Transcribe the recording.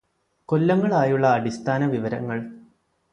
കൊല്ലങ്ങളായുള്ള അടിസ്ഥാന വിവരങ്ങള്